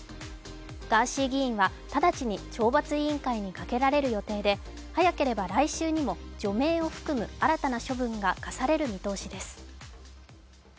ガーシー議員は直ちに懲罰委員会にかけられる予定で早ければ来週にも除名を含む新たな処分が科される見通しです。